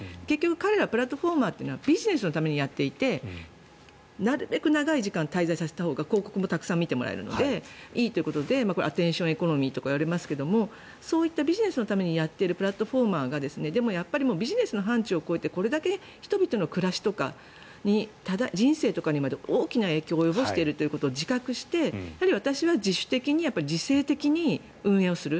彼らプラットフォーマーはビジネスのためにやっていてなるべく長い時間滞在させたほうが広告もたくさん見てもらえるのでアテンションエコノミーとか言いますがビジネスのためにやっているプラットフォーマーがビジネスの範ちゅうを超えてこれだけ人々の暮らしとか人生にまで大きな影響を及ぼしていることを自覚して自主的に自制的に運営をする。